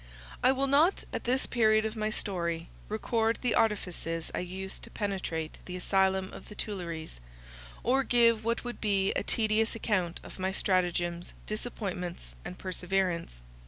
I will not, at this period of my story, record the artifices I used to penetrate the asylum of the Tuileries, or give what would be a tedious account of my stratagems, disappointments, and perseverance.